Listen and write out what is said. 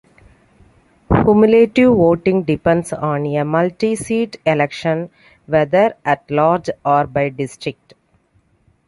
Cumulative voting depends on a multi-seat election, whether at-large or by district.